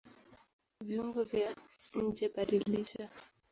Viungo vya njeBadilisha